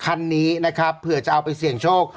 คันนี้นะครับเผื่อจะเอาไปเสี่ยงโชค